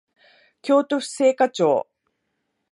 京都府精華町